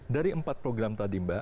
dari empat program tadi mbak